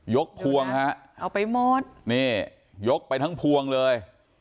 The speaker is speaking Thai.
พวงฮะเอาไปหมดนี่ยกไปทั้งพวงเลย